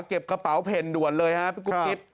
เก็บกระเป๋าแผ่นด่วนเลยฮะพี่กุ๊บกิ๊บ